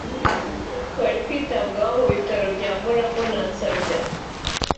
bari kwitabwaho mu Bitaro bya Mulago na Nsambya